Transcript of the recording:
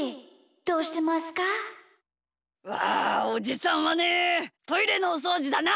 まあおじさんはねトイレのおそうじだな。